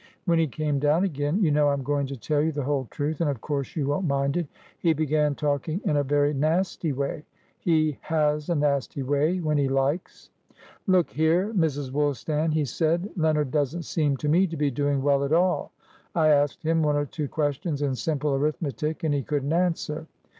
When he came down again, you know I'm going to tell you the whole truth, and of course you won't mind ithe began talking in a very nasty wayhe has a nasty way when he likes. 'Look here, Mrs. Woolstan,' he said, 'Leonard doesn't seem to me to be doing well at all. I asked him one or two questions in simple arithmetic, and he couldn't answer.'